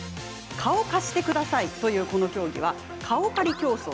「顔貸してください」というこの競技は、顔借競争。